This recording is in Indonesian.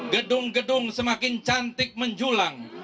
gedung gedung semakin cantik menjulang